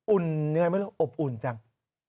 ยังไงไม่รู้อบอุ่นจัง